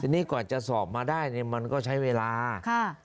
ทีนี้กว่าจะสอบมาได้เนี่ยมันก็ใช้เวลาค่ะ